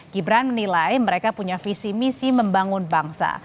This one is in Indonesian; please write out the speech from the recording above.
gibran menilai mereka punya visi misi membangun bangsa